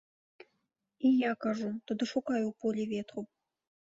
І я кажу, тады шукай у полі ветру.